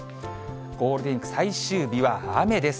ゴールデンウィーク最終日は雨です。